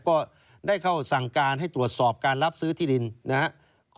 ก็ได้เข้าสั่งการให้ตรวจสอบการรับซื้อที่ดินนะครับ